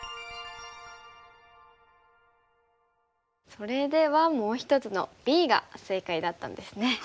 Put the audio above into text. それではもう一つのＢが正解だったんですね。